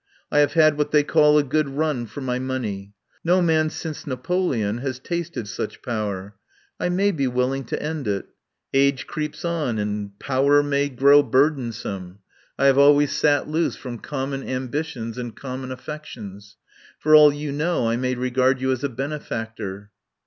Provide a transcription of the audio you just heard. I have had what they call a good run for my money. No man since Na poleon has tasted such power. I may be will ing to end it. Age creeps on and power may 20 1 THE POWER HOUSE grow burdensome. I have always sat loose from common ambitions and common affec tions. For all you know I may regard you as a benefactor."